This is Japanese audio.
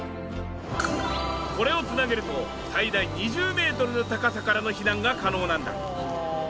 これを繋げると最大２０メートルの高さからの避難が可能なんだ。